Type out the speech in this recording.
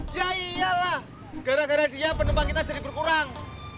ya iyalah gara gara dia penumpang kita jadi berkurang